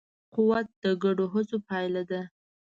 قوت د ګډو هڅو پایله ده.